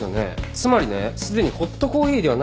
つまりねすでにホットコーヒーではないんですよ。